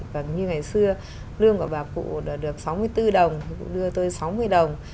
và như ngày xưa lương của bà cụ đã được sáu mươi bốn đồng thì cụ đưa tôi sáu mươi đồng